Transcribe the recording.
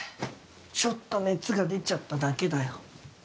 ちょっと熱が出ちゃっただけだよ。